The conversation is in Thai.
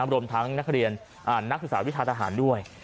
รวมทั้งนักเรียนนักศึกษาวิชาทหารด้วย